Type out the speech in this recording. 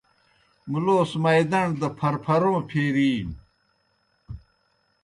مُلوس مائداݨ دہ پھرپھروں پھیرِینوْ۔